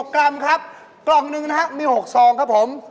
กรัมครับกล่องหนึ่งนะครับมี๖ซองครับผม